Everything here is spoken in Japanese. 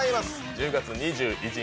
１０月２１日